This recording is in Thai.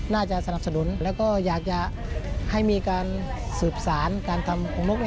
สนับสนุนแล้วก็อยากจะให้มีการสืบสารการทำของนก